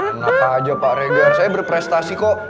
kenapa aja pak regen saya berprestasi kok